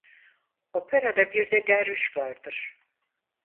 Operada birde Derviş vardır.